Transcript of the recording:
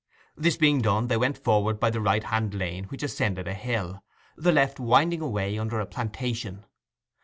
This being done, they went forward by the right hand lane, which ascended a hill, the left winding away under a plantation.